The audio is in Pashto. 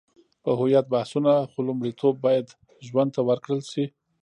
په هویت بحثونه، خو لومړیتوب باید ژوند ته ورکړل شي.